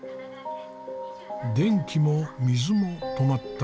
電気も水も止まった。